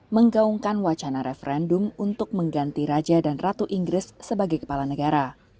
menggaungkan wacana referendum untuk mengganti raja dan ratu inggris sebagai kepala negara